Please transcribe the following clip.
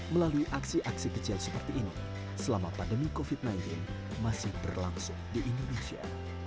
melalui aksi aksi kecil seperti ini selama pandemi covid sembilan belas masih berlangsung di indonesia